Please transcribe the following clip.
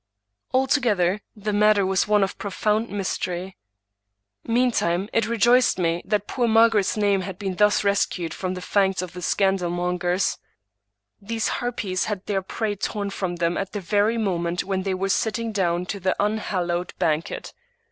Altogether, the matter was one of profound mystery. Meantime, it rejoiced me that poor Margaret's name had J4Q Thomas De Quince^ been thus rescued from the fangs of the scandalmongers. These harpies had their prey torn from them at the very moment when they were sitting down to the unhallowed banquet.